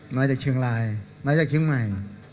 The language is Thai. มาจากเชียงรายมาจากเชียงใหม่